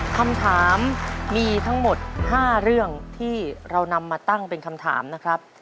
คำถามมีทั้งหมด๕เรื่องที่เรานำมาตั้งเป็นคำถามนะครับ